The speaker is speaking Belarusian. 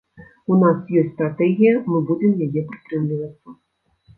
У нас ёсць стратэгія, мы будзем яе прытрымлівацца.